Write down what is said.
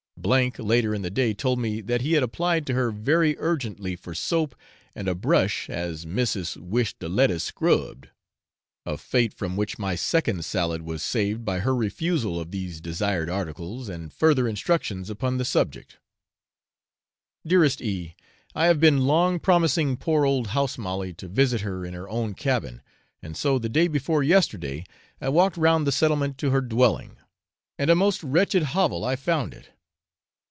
M later in the day told me that he had applied to her very urgently for soap and a brush 'as missis wished de lettuce scrubbed,' a fate from which my second salad was saved by her refusal of these desired articles, and further instructions upon the subject. Dearest E . I have been long promising poor old House Molly to visit her in her own cabin, and so the day before yesterday I walked round the settlement to her dwelling; and a most wretched hovel I found it.